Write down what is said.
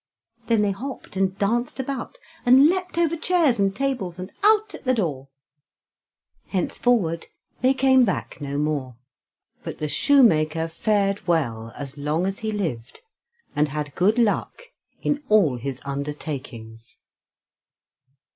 Then they hopped and danced about, and leaped over chairs and tables and out at the door. Henceforward, they came back no more, but the shoemaker fared well as long as he lived, and had good luck in all his undertakings.